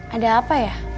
ada apa ya